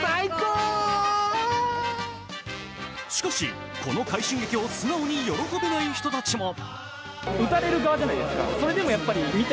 しかしこの快進撃を素直に喜べない人たちも。